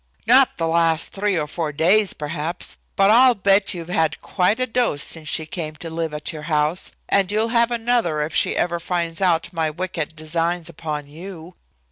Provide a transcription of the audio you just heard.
"Not the last three or four days perhaps, but I'll bet you've had quite a dose since she came to live at your house, and you'll have another if she ever finds out my wicked designs upon you."